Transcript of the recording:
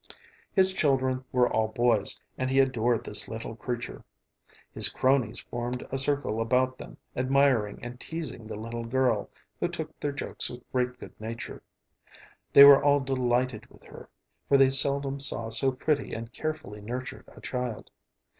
His children were all boys, and he adored this little creature. His cronies formed a circle about him, admiring and teasing the little girl, who took their jokes with great good nature. They were all delighted with her, for they seldom saw so pretty and carefully nurtured a child.